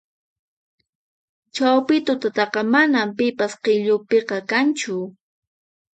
Chawpi tutataqa manan pipas k'ikllupiqa kanchu